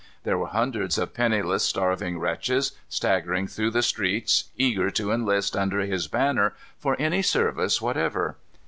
There were hundreds of penniless, starving wretches staggering through the streets, eager to enlist under his banner for any service whatever.